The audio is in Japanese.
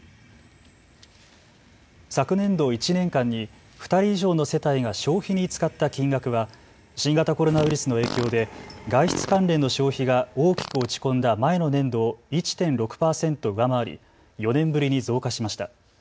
昨年度１年間に２人以上の世帯が消費に使った金額は新型コロナウイルスの影響で外出関連の消費が大きく落ち込んだ前の年度を１．６％上回り４年ぶりに増加しました。